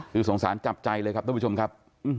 คือสงสารจับใจเลยครับทุกผู้ชมครับ